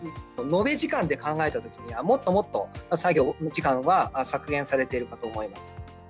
延べ時間で考えたときには、もっともっと作業の時間は削減されているかと思います。